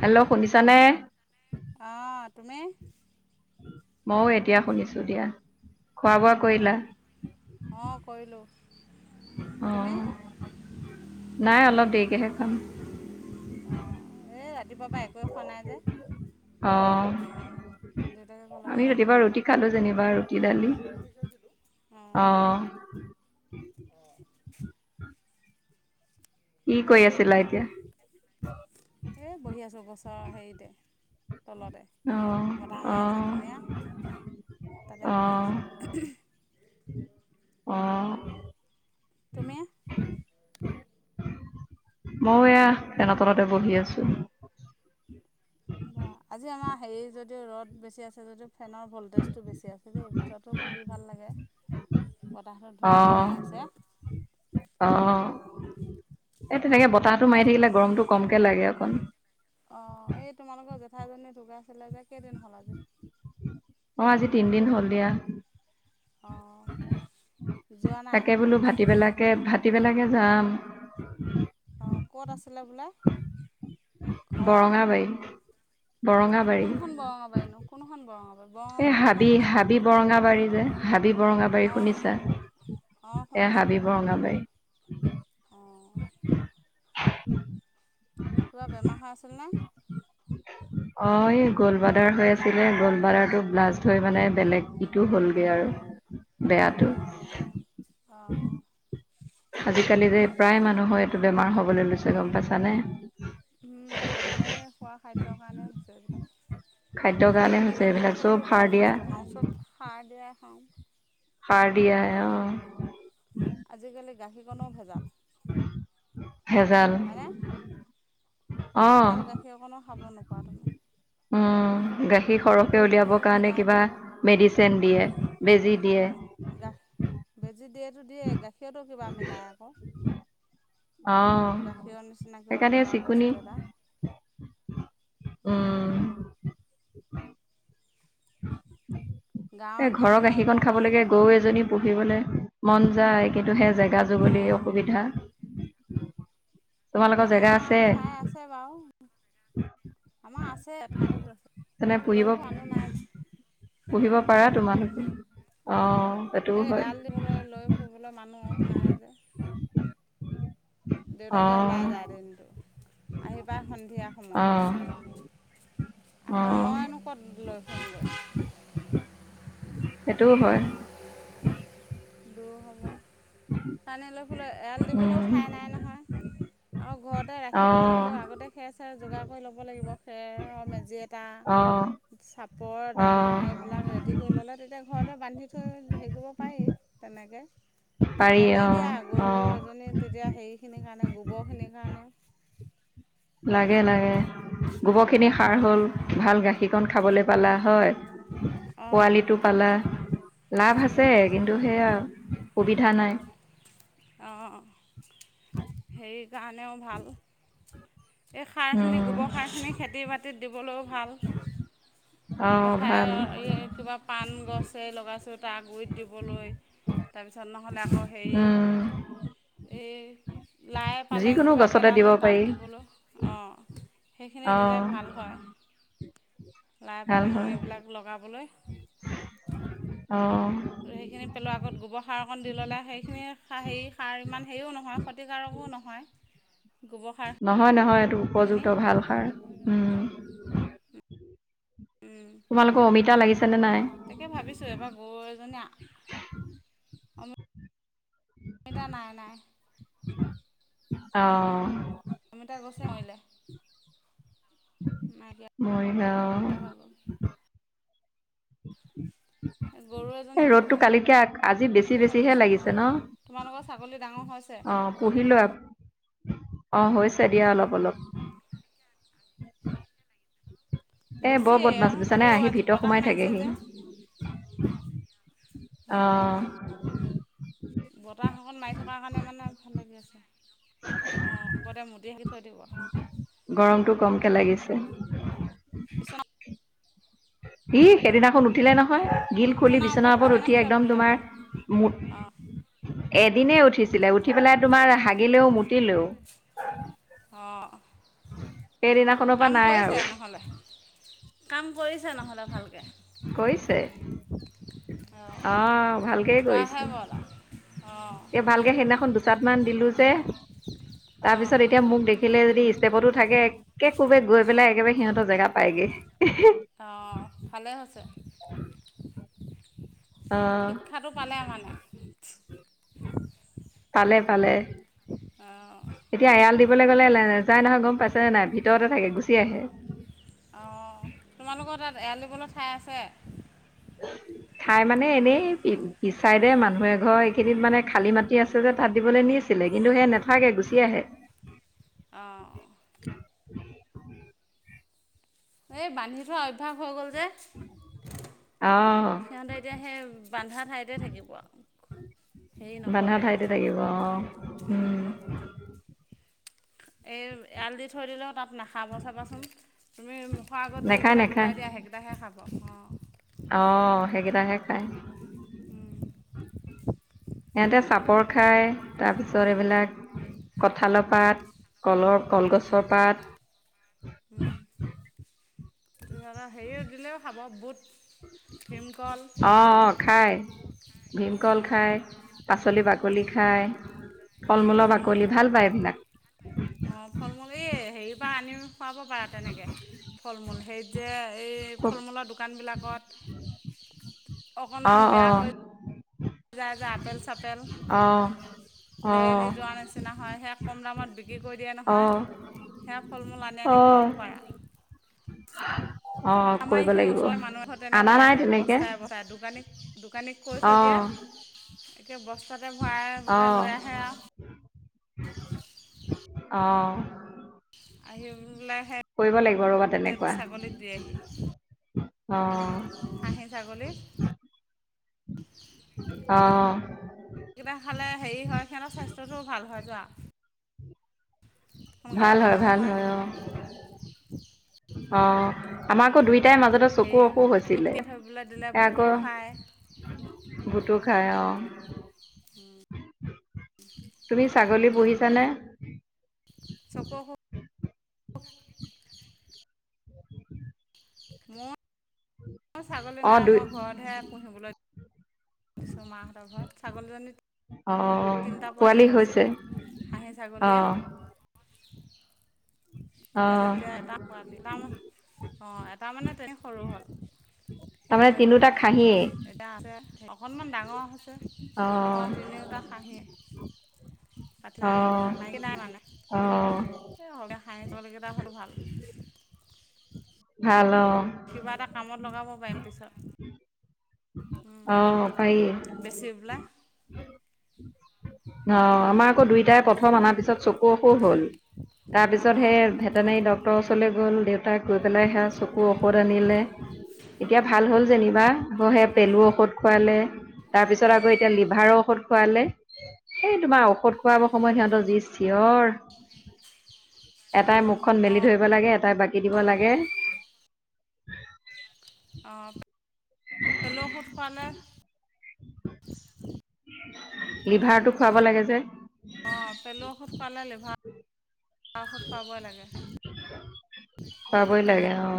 Hello শুনিছা নে। অ' তুমি। মইও এতিয়া শুনিছো দিয়া, খোৱা-বোৱা কৰিলা? অ ক‌ৰিলো। অ, নাই অলপ দেৰিকে হে খাম। অঁ এই ৰাতিপুৱাৰ পৰা একোৱে খোৱা নাই যে। অ দেউতাকে ক'লে আমি বোলে ৰাতিপুৱা সোনকালে ৰুটি খাই খালোঁ দিওঁ বুলি, যেনিবা ৰুটি দালি। উম অ'। অ'। কি কৰি আছিলা এতিয়া। এই বহি আছোঁ গছৰৰ হেৰিতে তলতে, অ', বতাহ মাৰি আছে অ', ধুনীয়া, তাতে বহি অ', আছোঁ। অ'। তুমি? মইও এয়া ফেনৰ তলতে বহি আছোঁ। [unintelligible] আজি আমাৰ হেৰি যদিও ৰ'দ বেছি আছে যদিও ফেনৰ ভল্টেজটো বেছি আছে দেই ভিতৰতো বহি ভাল লাগে। বতাহতো ধুনীয়াকৈ অ', মাৰি আছে। অ' এই তেনেকে বতাহটো ভাত মাৰি থাকিলে গৰমতো কমকে লাগে অকণ। অ' এই তোমালোকৰ জেঠাইজনী ঢুকাইছিলে যে কেইদিন হ'ল আজি। অ' আজি তিনদিন হ'ল দিয়া। অ'। তাকে বোলো ভাতিবেলাকে ভাতিবেলাকে যাম। অ' ক'ত আছিলে বোলে। ঘৰ, বৰঙাবাৰী, বৰঙাবাৰী। কোনখন বৰঙা বাৰিনো কোনখন বৰঙা বাৰি এই বৰঙাবাৰী হাবি দুখন আছে। হাবি বৰঙাবাৰী যে, হাবি বৰঙা বাৰী অঁ শুনিছা, এয়া হাবি বৰঙাবাৰী। অ'। [unintelligible] কিবা বেমাৰ হৈ আছিল নে। অ'এই গ'ল্ডবাডাৰ হৈ আছিলে, গ'ল্ডবাডাৰটো ব্লাষ্ট হৈ মানে বেলেগ ইটো হ'লগে আৰু। বেয়াটো অ', অ'। আজিকালি যে প্ৰায় মানুহৰ এইটো বেমাৰ হ'বলৈ লৈছে গ'ম পাইছানে। উম, এই খোৱা খাদ্যৰ কাৰণে হৈছে খাদ্যৰ এইবিলাক। কাৰণে হৈছে আজিকালি আমিনো এইবিলাক চব কোনটো সাৰ ভাল দিয়া বস্তু খাওঁ চব সাৰ দিয়াই খাওঁ। সাৰ দিয়াই অঁ'। আজিকালি গাখীৰকণো ভেজাল। ভেজাল হয়নে, অ ভাল গাখ- খী অকণো খাব নোপোৱা তুমি। অঁ গাখীৰ তাতো সৰহকে কি উলিয়াবৰ কাৰণে মিলাই কিবা দিব মেডিচেন দিয়ে, বেজী দিয়ে। গাহ বেজী দিয়েতো দিয়েই গাখীৰতো কিবা মিলায় আক। অ গাখীৰ নিচিনা কিবা সেইকাৰণে বগা চিকুনি বস্তু এটা। অঁ' উম [unintelligible] এ গাঁৱত ঘৰ মানুহৰ ঘৰৰ গাখীৰকণ খাব পৰা লাগে লৈ গ'ল গৰু এজনী পুহিবলে- মন যায়। কিন্তু, সেই জেগা যুগলি অঁ অসুবিধা। তোমালোকৰ আমা জেগা আছে ঠাই আছে বাও। আমাৰ আছে ঠাই বহুত আছে, তেনে কিন্তু পুহিব লৈ ফুৱা মানুহ নাই। পুহিব পাৰা তোমালোকে। অঁ অঁ' এই এৰাল দিবলৈ লৈ ফুৰিবলৈ মানুহ নাই যে। দেউতাকে ওলাই যায় অ দিনটো আহি পায় সন্ধিয়া সময়ত। অ অ আকৌ মইনো ক'ত লৈ- ফুৰিমগৈ সেইটোও হয়। দূৰ হ'ব, তানী লৈ ফুইলে এয়াল দিবলৈও উম ঠাই নাই নহয়। আকৌ ঘৰতে অ ৰাখিবলৈ হ'লেও আগতে- খেৰ চেৰ যোগাৰ কৰি ল'ব লাগিব খেৰৰ মেজি এটা। অ চাপৰ অ দানা এইবিলাক ৰেডি কৰি ল'লে তেতিয়া ঘৰতে বান্ধি থৈ হেৰি কৰিব পাৰি। তেনেকে, পাৰি লাগে অ দিয়া অ গৰু এজনী- তেতিয়া হেৰিখিনিৰ কাৰণে গোবৰখিনিৰ কাৰণে। লাগে লাগে। গোবৰখিনি সাৰ হ'ল অঁ ভাল গাখীৰকণ খাবলে পালা হয়। অঁ পোৱালিটো পালা লাভ আছে। কিন্তু, সেয়াই আও সুবিধা নাই। অঁ সেই কাৰণেও ভাল। এই সাৰখিনি গোবৰ অঁ সাৰখিনি খেতি বাতিত দিবলৈও ভাল। পথাৰ ভাল এই- কিবা পাণ গছে লগাইছোঁ তাৰ গুৰিত দিবলৈ তাৰপিছত, নহ'লে আকৌ হেৰি- উম, এই লাই পালেং যিকোনো কিবা গছতে দিব পেলালোঁ তাত পাৰি দিবলৈও অঁ'। সেইখিনি দিলে অঁ ভাল হয়, লাই ভাল পালেং হয় এইবিলাক লগাবলৈ। অঁ' ত' সেইখিনি পেলোৱাৰ আগত গোবৰ সাৰ অকণ দি ল'লে সেইখিনি সা হেৰি সাৰ ইমান হেৰিও নহয় ক্ষতিকাৰকো নহয়। গোবৰ ষাৰ- নহয় নহয়, এইটো উপযুক্ত ভাল সাৰ। উম' তোমালোকৰ অমিতা লাগিছে নে নাই? তাকে ভাবিছোঁ এবাৰ বৌৱে জানা। অমি অমিতা নাই নাই। অঁ' অমিতা গছে মৰিলে। মাই বিয়া মৰিগাঁও বিয়া হৈ গ'ল। [inaudible] গৰু এই এজনী ৰ'দটো পুহিম কালিতকৈ আজি বেছি বুলি বেছিহে ভাবিছোঁ লাগিছে ন অঁ, তোমালোকৰ ছাগলী ডাঙৰ হৈছে। পুহি লোৱা অ' হৈছে দিয়া অলপ অলপ। এ বৰ বেছিয়েই বদমাছ আৰু বুজিছানে হ'লেও আহি আজি ভিতৰ বতাহ সোমাই মাৰিছে থাকেহি। যে অঁ অ'। বতাহ অকন মাৰি থকা কাৰণে মানে ভাল লাগি আছে। অ' ঘৰতে মুটি হাগি থৈ দিব। গৰমটো কমকে লাগিছে। বিছনা ই সেইদিনাখন উঠ উঠিলে নহয় গিল খুলি বিচনাৰ ওপৰত উঠেনে উঠি নুঠে বোলো একদম তোমাৰ ছাগলী মুট অঁ এদিনে উঠিছিলে উঠি পেলাই তোমাৰ হাগিলেও মুতিলেও। অ', সেইদিনাখনৰ পৰা কাম নাই আৰু কৰিছে নহ'লে। কাম কৰিছে নহ'লে ভালকে। কৰিছে অ', অঁ ভালকেই কৰিছে ধোৱাহে বল আৰু অ'। এই ভালকে সেইদিনাখন দুচাত মান দিলো যে অঁ তাৰপিছত এতিয়া মোক দেখ দেখিলে যদি ষ্টেপতো থাকে একে কোবে গৈ পেলাই একেবাৰে সিহঁতৰ জেগা পায়গে। অ', ভালে হৈছে। অ', শিক্ষাটো পালে মানে পালে পালে। অ'। এতিয়া এৰাল দিবলৈ গ'লে নাযায় নহয় গম পাইছে নে নাই ভিতৰতে থাকে গুচি আহে। অ', তোমালোকৰ তাত এৰাল দিবলৈ ঠাই আছে? [inaudible] ঠাই মানে এনেই পিছ চাইদে মানুহে ঘৰ এইখিনিত মানে খালী মাটি আছে যে তাত দিবলৈ নি ছিলে কিন্তু সেই নাথাকে গুচি আহে। অ'। এই বান্ধি থোৱা অভ্যাস হৈ গ'ল যে অঁ সিহঁতে এতিয়া সেই বন্ধা ঠাইতে থাকিব আৰু। হেৰি বান্ধা নকৰে ঠাইতে থাকিব অঁ উম। এই এৰাল দি থৈ দিলেও তাত নাখ খাব চাবাচোন তুমি মুখৰ আগত নেখায় যিকেইটা নেখায় গোটাই দিয়া সেইকেইটাহে খাব অ'। অ', সেইকেইটাহে খাই। সিহঁতে বেলেগ নাখাব চাপৰ খায়। তাৰপিছত এইবিলাক কঁঠালৰ পাত কলৰ কলগছৰ পাত। উম, তেতিয়াহ'লে হেৰিও দিলেও খাব বুট। ভীমকল অ', অ', খায় ভীমকল অঁ খায়। পাচলি বাকলি খায়, ফল মূলৰ বাকলি ভাল পায় এইবিলাক। অ', ফল মূল এই হেৰি পৰা আনি খুৱাব পাৰা তেনেকে ফল মূল হে যে এই খুব ফল মূলৰ দোকানবিলাকত অঁ অকণমান বেয়া অঁ হৈ যায় যে আপেল চাপেল অঁ অঁ লেৰেলি যোৱাৰ নিচিনা হয় সেয়া কম দামত বিক্ৰী কৰি দিয়ে নহয়। অঁ সেয়া ফল মূল আনি আনি অ', খুৱাব পাৰা। অ', আমাৰ কৰিব এইখিনি লাগিব, ওচৰৰ মানুহ এঘৰতে তেনেক আনা লৈ নাই আহে তেনেকে, বস্তাই বস্তাই দোকানী দোকানীক কৈ থৈ দিয়ে অ', একে বস্তাতে ভৰাই পেলাই অ', লৈ আহে আৰু। অ'। আহি পেলাই কৰিব লাগিব ৰ'বা সেই তেনেকুৱা, ছাগলীক দিয়েহি। অ', খাহি ছাগলী। [inaudible] অ', এইকেইটা খালে হেৰি হয় সিহঁতৰ স্বাস্থ্যটোও ভাল হয় যোৱা। সোনকালে ভাল ডাঙও ভাল হয়। অঁ, আমাৰ আকৌ দুইটাই মাজতে চকু হেৰি অসুখ বুট হৈছিলে। তিয়াই থৈ পেলাই দিলে এতিয়া বুটও খায় আকৌ ভূতো খাই অঁ। তুমি ছাগলী পুহিছানে? চকুৰ অসুখ মোৰ ছাগলী অ', নাই। দুই মই ঘৰতহে পুহিবলৈ দিছোঁ মাহঁতৰ ঘৰত। ছাগলজনী অঁ। তিনটা পোৱালি হৈছিলে। খাছী ছাগলীয়ে অ', ত ' অ', তেতিয়া এটা পোৱালি তাৰ অঁ, এটা মানে তেনে সৰু হ'ল। সেইটো তাৰমানে মৰি থাকিলে। তিনিওটা খাহীয়ে, এটা আছে অকণমান ডাঙৰ হৈ ছে। অঁ, অ', তিনিওটা খাছীয়ে। পাতি নাই। অ', মাইকী নাই মানে, অ', এই সৰুতে খাই পোৱালি কেইইটা হ'লেও ভাল। ভালো অঁ। কিবা এটা কামত লগাব পাৰিম পিছত। উম, অ', পাৰি। বেছিপেলাই অঁ, আমাৰ আক' দুইটাই প্ৰথম অনাৰ পিছত চক কু অসুখ হ'ল। তাৰপিছত অঁ সেই ভেটেনেৰী ডাক্তৰ ওচৰলে গ'ল। দে তাই গৈ পেলাই সেয়া চকু ঔষধ আনিলে। এতিয়া ভাল হ'ল যেনিবা আকৌ হে- পেলুৰ ঔষধ খোৱালে তাৰপিছত উম, আকৌ এতিয়া লিভাৰৰ ঔষধ খোৱালে। সেই তোমাৰ ঔষধ খোৱাবৰ সময়ত সিহঁতৰ যি চিঞৰ এটাই মুখখন মেলি অঁ ধৰিব লাগে, এটাই বাকি দিব অঁ লাগে। অঁ। উম পেলুৰ ঔষধ খোৱালে। লিভাৰটো খুৱাব অঁ লাগে যে। অঁ, পেলুৰ ঔষধ খোৱালে, লিভাৰ ঔষধ খুৱাবই লাগে। খুৱাবই লাগে অঁ।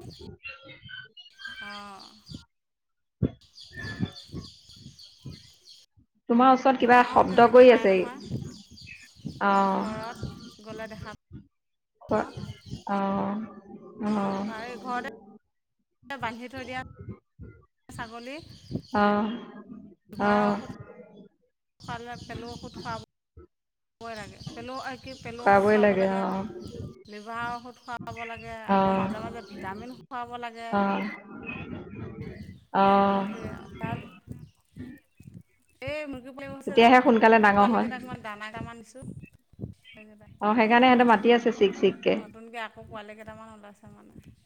খু অঁ। তোমাৰ ও চৰত কিবা আমাৰো শব্দ তেনেকৈ কৰি খুৱাই নহয় আছেহি। ঘৰত গ'লে দেখা অঁ। খোৱা পাওঁ অঁ। অঁ, লিভাৰ, এই ঘৰতে বান্ধি থৈ দিয়া ছাগলী। অঁ, লিভাৰৰ অঁ। ঔষধ খোৱালে পেলুৰ ঔষধ খোৱাব বই লা। পেলু ঐ কি পেলুৰ ঔষধ খুৱাবই খুৱাব লাগে, অ লিভাৰৰ ঔষধ খুৱাব লাগে অ আকৌ মাজে মাজে ভিটামিন খোৱাব লাগে। অ অ [unintelligible] এ মুৰ্গী পোৱালি কেইটাকমান আছে তেতিয়াহে সোনকালে যে ডাঙৰ পোৱালি হয় কেইটাক মানে দানা কেইটামান দিছোঁ, সেইকেইটা। অঁ, সেইকাৰণে সিহঁতে মাতি আছে চিক্ চিক্। নতুনকে আকৌ পোৱালি কেইটামান ওলাইছে মানে।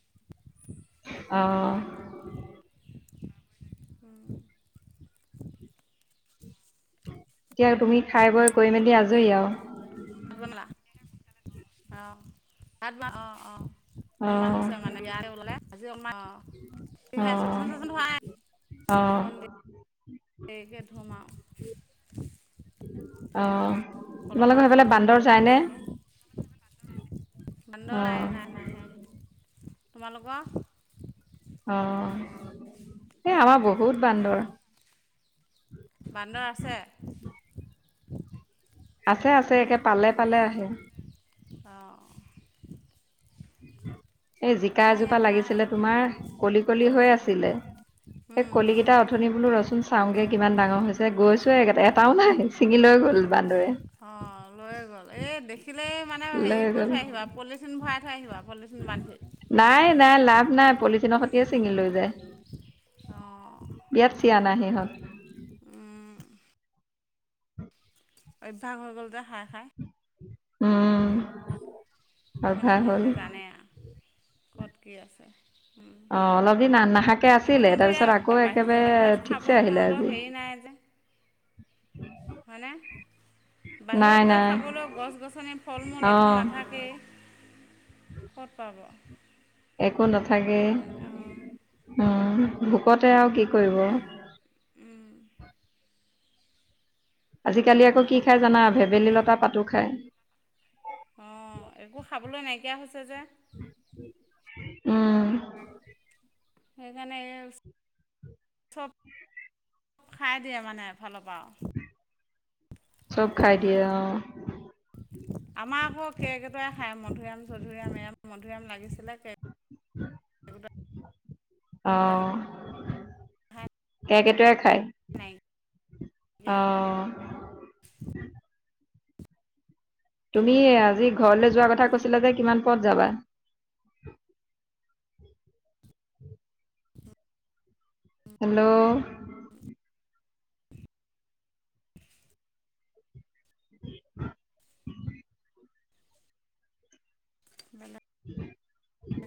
অঁ। অ এতিয়া তুমি খাই বৈ কৰি মেলি আজৰি আও আ মেলা অঁ আব অঁ অঁ অ মান হৈছে মানে বিয়াৰে ওলালে আজি অলপমান অই অ আছ চধ অ সগে ধোমা অ তোমালোকৰ সেইফালে বহুত বান্দৰ ৰ'দ পৰি যায়নে থাকে অ বান্দৰ নাই নাই নাই নাহে তোমালোকৰ অ এ আমাৰ বহুত বান্দৰ বান্দৰ আছে আছে আছে একে পালে পালে আহে অঁ এই জিকা আমাৰ এজোপা ইয়াত নাই লাগিছিলে তোমাৰ কলি কলি হৈ অঁ আছিলে স কলি কেইটা অথনি বোলো ৰচোন চাওঁগে কিমান ডাঙৰ হৈছে গৈছোৱে একেটা এটাও নাই ছিঙি লৈ গ'ল বান্দৰে অঁ লৈয়েই গ'ল এই দেখ থাকিলেই মানে লৈ হেৰি কৰি গ'ল থৈ আহিবা পলিথিন ভৰাই থৈ আহিবা পলিথিন বান্ধি নাই নাই লাভ নাই পলিথিনৰ খাতি চিঙি লৈ যায় অ ইয়াত চিয়া না আহিব অভ্যাস হৈ গ'ল যে খাই খাই উম সেইকাৰণে অভ্যাস হ'ল সিহঁতে জানে আৰু ক'ত কি আছে অ অলপ দিন আন নাখাক আকৌ সিহঁতৰ ইয় বাহ সিহঁত ঠিকছে খাবলৈ আহিলে সিহঁতৰ আজি হেৰি নাই যে মানে নাই বাহিৰত গৈ নাই খাবলৈ গছ গছনিৰ ফল মূল অ একো নাথাকেই। ক'ত পাব একো নাথাকে সেইকাৰণে অঁ ভোকতে আৰু কি কৰিব উম আজিকালি আকৌ কি দিয়ে খাই সেইকাৰণে জানা ভেবেলী লতা পাতো খাই অ একো খাবলৈ নাইকিয়া হৈছে যে উম সেইকাৰণে চব খাই দিয়ে মানে এ ফালৰ পৰা আৰু চব খাই দিয়ে অ [inaudible] আমাৰ আকৌ কেক এটাৰে খাই মধুৰিআম চধুুৰআম এ মধুৰিআম লাগিছিলে কেক উ অ কেকেইকেটোৱে খায় খাই অ তুমি আজি ঘৰলৈ যোৱাৰ কথা কৈছিলা যে কিমান পথ যাবা হেল্লো' [unintelligible] [unintelligible] বনত উমঁ!